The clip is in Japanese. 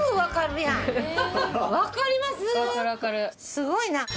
すごいな。